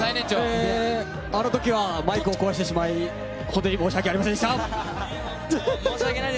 あの時はマイクを壊してしまい本当に申し訳ございませんでした。